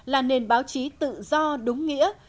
là nền báo chí tự do đúng nghĩa